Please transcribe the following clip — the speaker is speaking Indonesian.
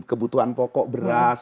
beli kebutuhan pokok beras